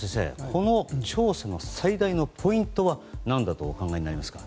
この調査の最大のポイントは何だと思いますか。